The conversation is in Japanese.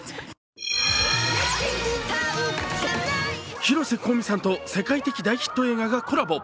広瀬香美さんと世界的大ヒット映画がコラボ。